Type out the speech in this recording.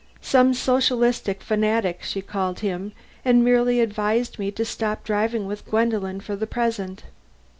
'Some socialistic fanatic,' she called him and merely advised me to stop driving with Gwendolen for the present."